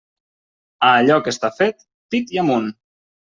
A allò que està fet, pit i amunt.